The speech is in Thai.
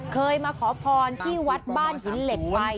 เคยมาขอพรที่วัดบ้านหินเหล็กไฟ